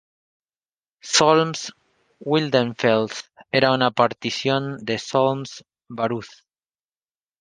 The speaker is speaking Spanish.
Solms-Wildenfels era una partición de Solms-Baruth.